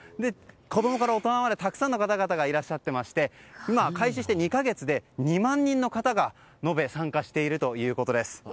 子供から大人までたくさんの方々がいらっしゃっていまして開始して２か月で２万人の方が延べ参加しているということです。